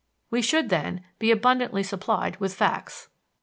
We should, then, be abundantly supplied with facts.